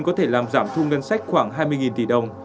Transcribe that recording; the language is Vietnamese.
có thể làm giảm thu ngân sách khoảng hai mươi tỷ đồng